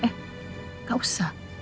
eh gak usah